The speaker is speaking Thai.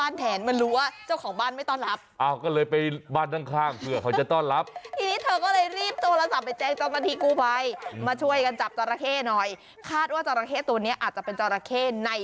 แล้วด้วยความตกใจทำไง